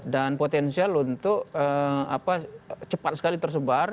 dan potensial untuk cepat sekali tersebar